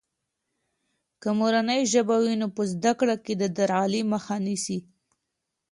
که مورنۍ ژبه وي، نو په زده کړه کې د درغلي مخه نیسي.